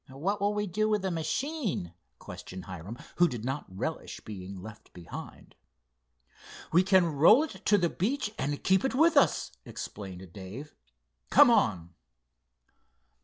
"What will we do with the machine?" questioned Hiram, who did not relish being left behind. "We can roll it to the beach and keep it with us," explained Dave. "Come on."